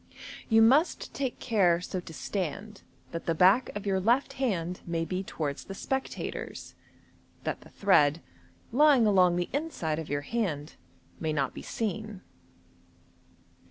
You must take care so to stand that the back of your left hand may be towards the spectators, that the thread, lying along the inside of your hand, may not be seen.